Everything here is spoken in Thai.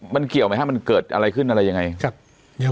มันเกี่ยวไหมครับมันเกิดอะไรขึ้นอะไรยังไง